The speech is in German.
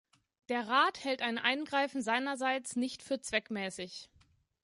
Der Rat hält ein Eingreifen seinerseits nicht für zweckmäßig.